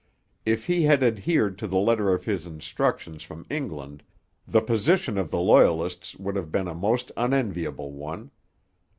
If he had adhered to the letter of his instructions from England, the position of the Loyalists would have been a most unenviable one.